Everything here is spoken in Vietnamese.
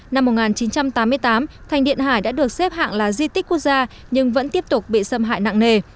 năm một nghìn chín trăm tám mươi tám thành điện hải đã được xếp hạng là di tích quốc gia nhưng vẫn tiếp tục bị xâm hại nặng nề